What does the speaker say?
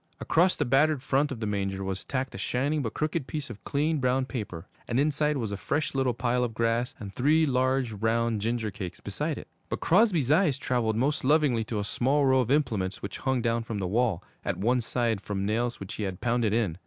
Across the battered front of the manger was tacked a shining but crooked piece of clean, brown paper, and inside was a fresh little pile of grass and three large, round ginger cakes beside it. But Crosby's eyes traveled most lovingly to a small row of implements which hung down from the wall, at one side, from nails which he had pounded in.